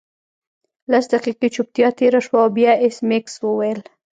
لس دقیقې چوپتیا تیره شوه او بیا ایس میکس وویل